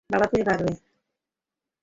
বাবা, তুমি পারবে।